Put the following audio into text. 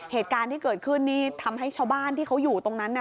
เหตุการณ์ที่เกิดขึ้นนี่ทำให้ชาวบ้านที่เขาอยู่ตรงนั้นน่ะ